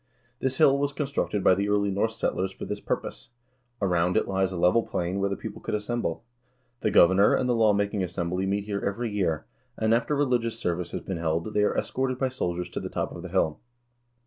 This hill was constructed by the early Norse settlers for this purpose. Around it lies a level plain where the people could assemble. The governor and the law making assembly meet here every year, and after religious service has been held, they are escorted by soldiers to the top of the hill.